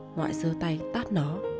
ngoại giữ tay tắt nó